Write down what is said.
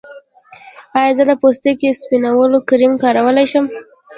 ایا زه د پوستکي سپینولو کریم کارولی شم؟